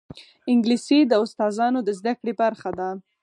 انګلیسي د استاذانو د زده کړې برخه ده